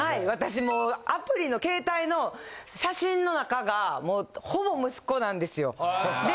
私もう、アプリの携帯の写真の中が、もう、ほぼ息子なんですよ。